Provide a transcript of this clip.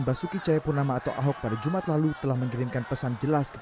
basuki cahayapurnama atau ahok pada jumat lalu telah mengirimkan pesan jelas